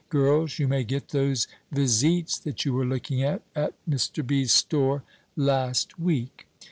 Girls, you may get those visites that you were looking at at Mr. B.'s store last week!"